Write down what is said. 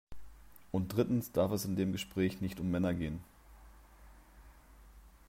Und drittens darf es in dem Gespräch nicht um Männer gehen.